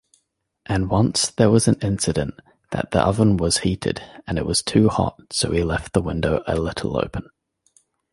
And once there was an incident that the oven was heated and it was too hot so we left the window a little open.